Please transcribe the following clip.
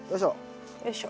よいしょ。